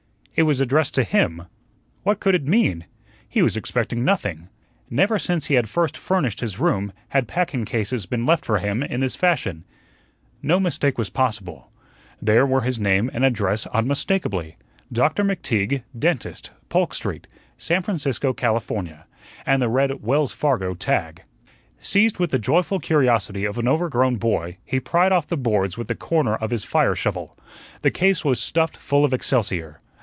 It was addressed to him. What could it mean? He was expecting nothing. Never since he had first furnished his room had packing cases been left for him in this fashion. No mistake was possible. There were his name and address unmistakably. "Dr. McTeague, dentist Polk Street, San Francisco, Cal.," and the red Wells Fargo tag. Seized with the joyful curiosity of an overgrown boy, he pried off the boards with the corner of his fireshovel. The case was stuffed full of excelsior.